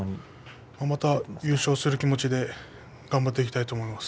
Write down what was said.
また優勝をする気持ちで頑張っていきたいと思います。